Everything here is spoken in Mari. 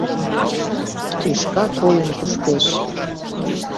Тӱшка койын кушкеш.